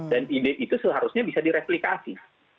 dan ide itu seharusnya bisa direplikasi